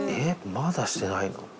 まだしてないの？